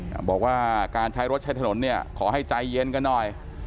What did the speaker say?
บอกว่าการใช้รถใช้ถนนเนี่ยขอให้ใจเย็นกันหน่อย